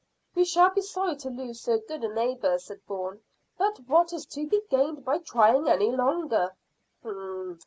"We shall be sorry to lose so good a neighbour," said Bourne; "but what is to be gained by trying any longer?"